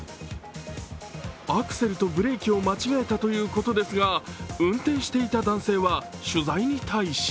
アクセルとブレーキを間違えたということですが、運転していた男性は取材に対し